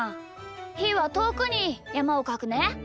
ひーはとおくにやまをかくね。